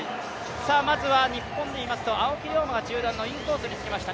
まずは日本でいいますと青木涼真が中団のインコースにつけました。